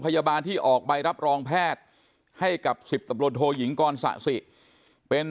พยาบาลที่ออกใบรับรองแพทย์ให้กับ๑๐ตำรวจโทยิงกรสะสิเป็น